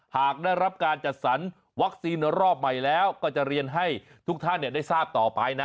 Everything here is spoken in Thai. หากได้รับการจัดสรรวัคซีนรอบใหม่แล้วก็จะเรียนให้ทุกท่านได้ทราบต่อไปนะ